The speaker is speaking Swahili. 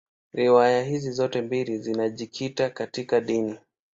Riwaya hizi zote mbili zinajikita katika dini.